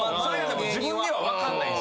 自分には分かんないんです。